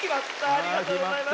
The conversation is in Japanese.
ありがとうございます。